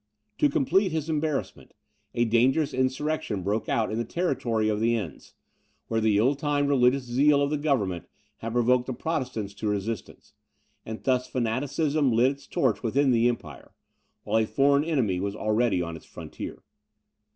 To complete his embarrassment, a dangerous insurrection broke out in the territory of the Ens, where the ill timed religious zeal of the government had provoked the Protestants to resistance; and thus fanaticism lit its torch within the empire, while a foreign enemy was already on its frontier.